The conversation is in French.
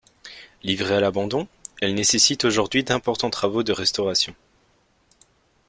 Livrée à l’abandon, elle nécessite aujourd’hui d’importants travaux de restauration.